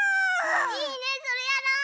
いいねそれやろう！